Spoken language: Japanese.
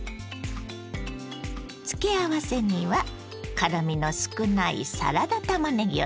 付け合わせには辛みの少ないサラダたまねぎを使います。